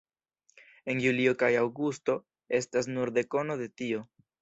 En julio kaj aŭgusto estas nur dekono de tio.